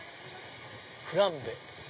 「フランベ」。